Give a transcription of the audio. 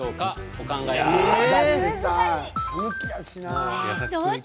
お考えください。